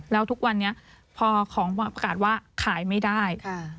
แล้วทุกวันนี้พอของประกาศว่าขายไม่ได้